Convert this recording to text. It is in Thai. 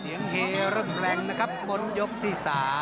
เหยียงเฮร่มแรงนะครับบนยกที่๓